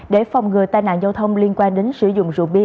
để phòng ngừa tai nạn giao thông liên quan đến sử dụng rượu bia